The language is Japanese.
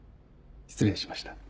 失礼しました。